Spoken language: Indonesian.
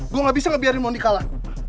gue gak bisa ngebiarin mondi kalah